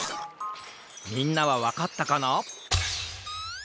みんなはわかったかな？